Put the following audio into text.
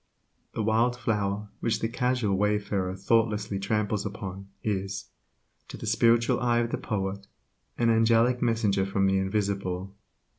The wild flower which the casual wayfarer thoughtlessly tramples upon is, to the spiritual eye of the poet, an angelic messenger from the invisible.